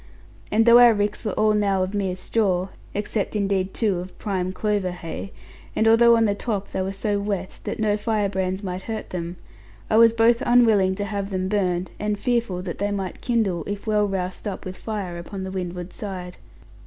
And though our ricks were all now of mere straw (except indeed two of prime clover hay), and although on the top they were so wet that no firebrands might hurt them; I was both unwilling to have them burned, and fearful that they might kindle, if well roused up with fire upon the windward side.